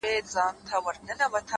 په موږ کي بند دی،